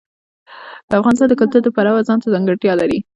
افغانستان د کلتور د پلوه ځانته ځانګړتیا لري.